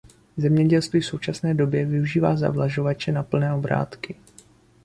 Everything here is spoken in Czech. Zemědělství v současné době využívá zavlažovače na plné obrátky.